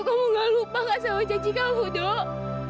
kamu gak lupakan sama janji kamu dok